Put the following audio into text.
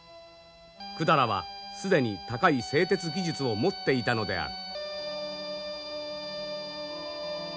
百済は既に高い製鉄技術を持っていたのである。